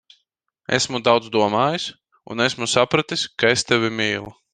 Esmu daudz domājis, un esmu sapratis, ka es tevi mīlu.